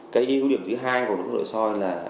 cái yếu điểm thứ hai của phẫu thuật đổi soi là